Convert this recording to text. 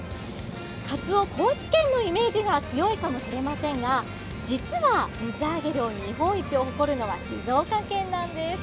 カツオ、高知県のイメージが強いかもしれませんが実は水揚げ量日本一を誇るのは静岡県なんです。